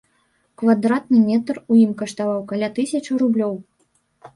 Квадратны метр у ім каштаваў каля тысячы рублёў.